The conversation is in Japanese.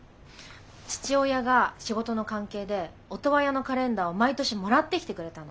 父親が仕事の関係でオトワヤのカレンダーを毎年もらってきてくれたの。